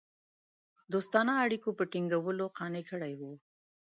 دوستانه اړېکو په ټینګولو قانع کړي وه.